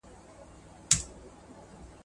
هغه څوک چې فضا ته ځي فضانورد نومیږي.